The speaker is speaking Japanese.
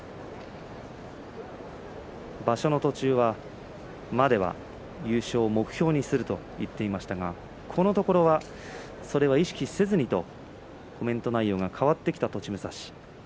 場所の途中までは優勝を目標にすると言っていましたがこのところはそれは意識せずにとコメント内容が変わってきた栃武蔵です。